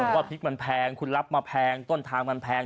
ว่าพริกมันแพงคุณรับมาแพงต้นทางมันแพง